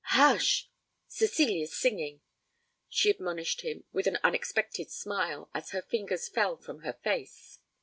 'Hush! Cecilia's singing!' she admonished him with an unexpected smile, as her fingers fell from her face.